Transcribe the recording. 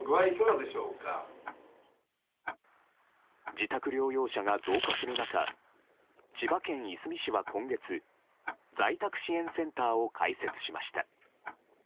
自宅療養者が増加する中千葉県いすみ市は今月在宅支援センターを開設しました。